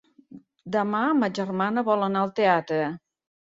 Demà ma germana vol anar al teatre.